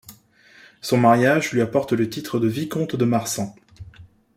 Son mariage lui apporte le titre de vicomte de Marsan.